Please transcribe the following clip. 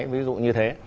ví dụ như thế